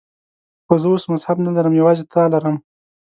خو زه اوس مذهب نه لرم، یوازې تا لرم.